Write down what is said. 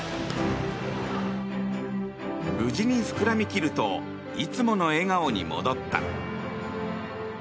無事に膨らみきるといつもの笑顔に戻った。